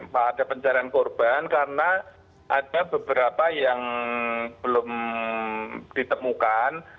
pada pencarian korban karena ada beberapa yang belum ditemukan